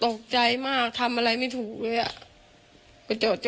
ตกลงไปจากรถไฟได้ยังไงสอบถามแล้วแต่ลูกชายก็ยังเล็กมากอะ